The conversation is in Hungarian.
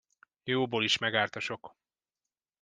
Jóból is megárt a sok.